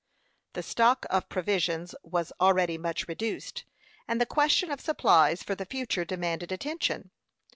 The stock of provisions was already much reduced, and the question of supplies for the future demanded attention.